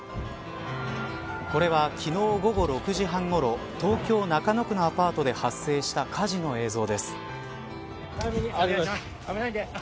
これは、昨日午後６時半ごろ東京中野区のアパートで発生した火事の映像です。